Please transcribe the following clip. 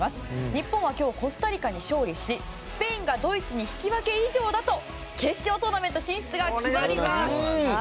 日本が今日、コスタリカに勝利しスペインがドイツに引き分け以上だと決勝トーナメント進出が決まります！